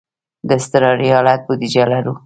د اضطراري حالت بودیجه لرو؟